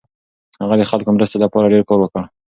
هغه د خلکو د مرستې لپاره ډېر کار وکړ.